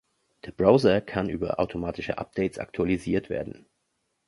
Der Browser kann über automatische Updates aktualisiert werden.